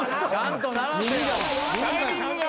タイミングが。